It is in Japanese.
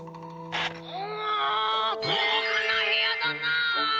「うわごうかな部屋だな。